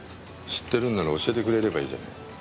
知ってるんなら教えてくれればいいじゃない。